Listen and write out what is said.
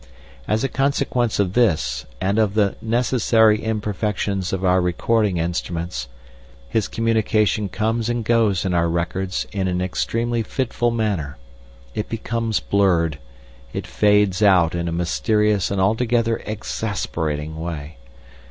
As a consequence of this and of the necessary imperfections of our recording instruments his communication comes and goes in our records in an extremely fitful manner; it becomes blurred; it "fades out" in a mysterious and altogether exasperating way.